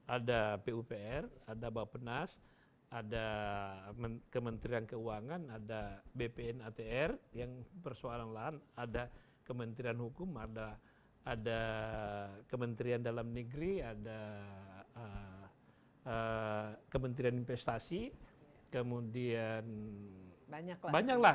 ada pupr ada bapak penas ada kementerian keuangan ada bpn atr yang persoalan lahan ada kementerian hukum ada kementerian dalam negeri ada kementerian investasi kemudian banyaklah